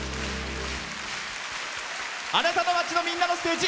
あなたの街の、みんなのステージ